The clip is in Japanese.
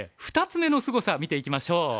２つ目のすごさ見ていきましょう。